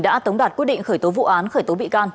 đã tống đạt quyết định khởi tố vụ án khởi tố bị can